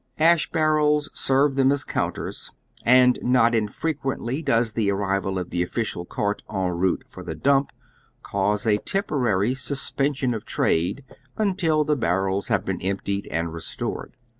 Asli barrela serve them as counters, and not infrequently does the arrival of tlie official cart en route for the dump cause a temporary suspension of trade until the barrels have been emptied and restored.